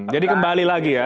jadi kembali lagi ya